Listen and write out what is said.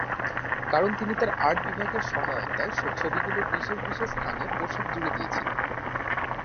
কারণ তিনি তার আর্ট বিভাগের সহায়তায় ছবিগুলোর বিশেষ বিশেষ স্থানে পোশাক জুড়ে দিয়েছিলেন।